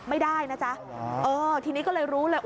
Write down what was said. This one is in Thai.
ไม่ได้นะจ๊ะเออทีนี้ก็เลยรู้เลย